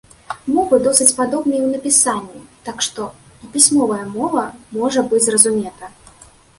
Мовы досыць падобныя і ў напісанні, так што і пісьмовая мова можа быць зразумета.